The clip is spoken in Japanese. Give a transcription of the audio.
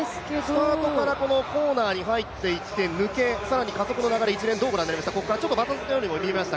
スタートからコーナーに入っていって抜け、更に加速の流れ、一連、どうご覧になりますか。